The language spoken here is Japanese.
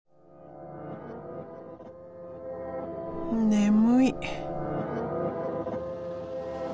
眠い。